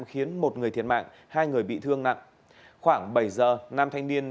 khiến một người thiệt mạng hai người bị thương nặng khoảng bảy giờ nam thanh niên